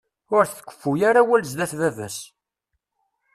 Ur d-tkeffu ara awal zdat baba-s.